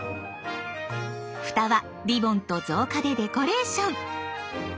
ふたはリボンと造花でデコレーション。